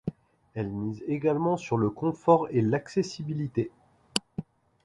Elle mise également sur le confort et l'accessibilité.